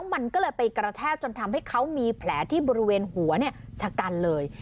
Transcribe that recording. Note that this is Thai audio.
เมื่อเสียหลักเสร็จแล้วมันก็เลยไปกระแทบจนทำให้เขามีแผลที่บริเวณหัวเนี่ยฉกันเลย